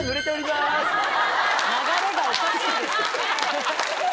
流れがおかしいでしょ。